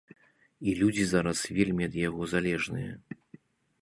І людзі зараз вельмі ад яго залежныя.